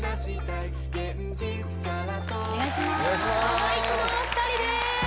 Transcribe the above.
ハマいくのお２人です